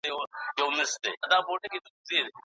د ولور اندازه معلومه وه.